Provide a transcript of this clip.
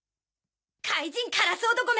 怪人カラス男め。